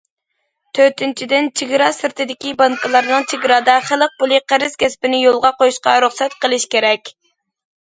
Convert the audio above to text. تۆتىنچىدىن، چېگرا سىرتىدىكى بانكىلارنىڭ چېگرادا خەلق پۇلى قەرز كەسپىنى يولغا قويۇشىغا رۇخسەت قىلىش كېرەك.